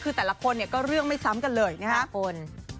คือแต่ละคนเนี่ยก็เรื่องไม่ซ้ำกันเลยนะครับคุณ